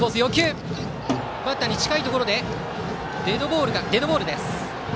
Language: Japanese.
バッターに近いところでデッドボールです。